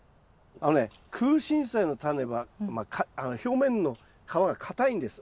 あのねクウシンサイのタネは表面の皮が硬いんです。